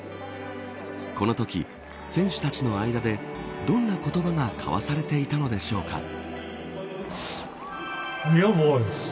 このとき、選手たちの間でどんな言葉が交わされていたのでしょうか。